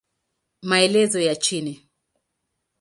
Maelezo ya chini